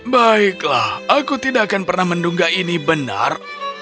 baiklah aku tidak akan pernah menduga ini benar